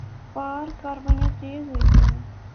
پار کاروائیاں تیز ہوئی گیئاں